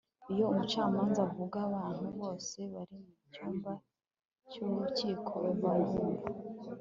iyo umucamanza avuga, abantu bose bari mu cyumba cy'urukiko barumva